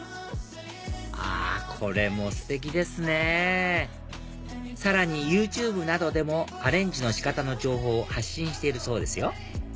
あこれもステキですねさらにＹｏｕＴｕｂｅなどでもアレンジの仕方の情報を発信しているそうですよ